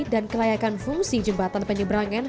dan kelayakan fungsi jembatan penyebrangan